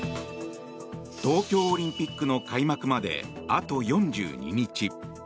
東京オリンピックの開幕まであと４２日。